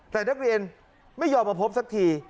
แต่นักเรียนไม่ยอมมาพบสักที